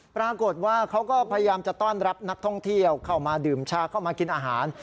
ปรากฏว่าเขาก็พยายามจะต้อนรับนักท่องเที่ยวเข้ามาดื่มชาเข้ามากินอาหาร